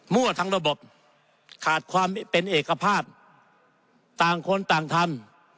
ทั้งระบบขาดความเป็นเอกภาพต่างคนต่างทำ